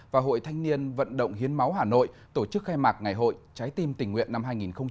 và hội thanh niên vận động hiến máu hà nội tổ chức khai mạc ngày hội trái tim tình nguyện năm hai nghìn hai mươi